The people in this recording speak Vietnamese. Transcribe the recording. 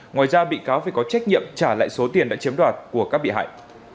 ngoài ra bị cáo phải có trách nhiệm trả lại số tiền đã chiếm đoạt của các bị hại